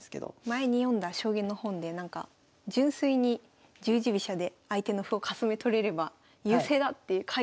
前に読んだ将棋の本で純粋に十字飛車で相手の歩をかすめ取れれば優勢だって書いてある本がありました。